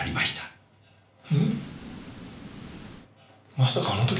まさかあの時？